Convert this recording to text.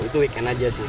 itu weekend aja sih